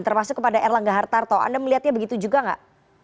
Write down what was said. termasuk kepada erlangga hatta toh anda melihatnya begitu juga enggak